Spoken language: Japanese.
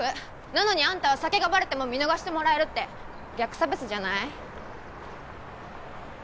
なのにあんたは酒がバレても見逃してもらえるって逆差別じゃない？